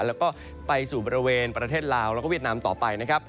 แล้วก็ไปสู่บริเวณประเทศลาวแล้วก็เวียดนามต่อไปนะครับ